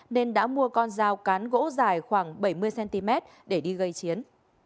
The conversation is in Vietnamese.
nên đã mua con dao cán bộ dài khoảng bảy mươi cm để đi gây chiến